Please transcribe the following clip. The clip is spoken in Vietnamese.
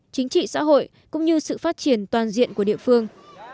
chính trị xã hội cũng như sự phát triển toàn diện của địa phương